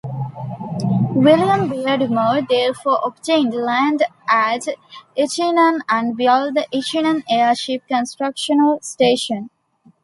William Beardmore therefore obtained land at Inchinnan and built the Inchinnan Airship Constructional Station.